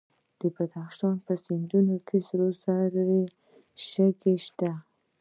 د بدخشان په سیندونو کې د سرو زرو شګې شته.